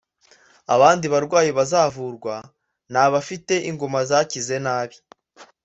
Abandi barwayi bazavurwa ni abafite inguma zakize nabi